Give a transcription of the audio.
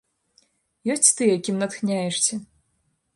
Ёсць тыя, кім натхняешся?